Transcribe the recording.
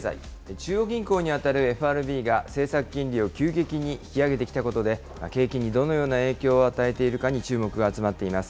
中央銀行に当たるＦＲＢが政策金利を急激に引き上げてきたことで、景気にどのような影響を与えているかに注目が集まっています。